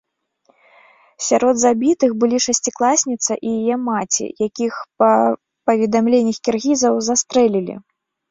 Сярод забітых былі шасцікласніца і яе маці, якіх, па паведамленнях кіргізаў, застрэлілі.